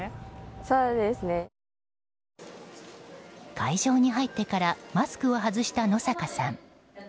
会場に入ってからマスクを外した野坂さん。